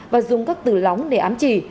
và dùng các từ lóng để ám chỉ